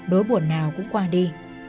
đối buồn nào cũng qua đi